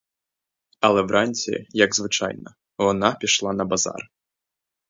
Але вранці, як звичайно, вона пішла на базар.